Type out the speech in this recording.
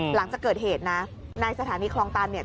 หลังจากเกิดเหตุนะในสถานีคลองตันเนี่ย